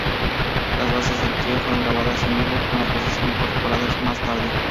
Las bases del trío fueron grabadas en vivo, con las voces incorporadas más tarde.